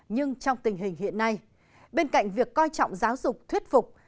nhưng trong tình hình hiện nay bên cạnh việc coi trọng giáo dục thuyết phục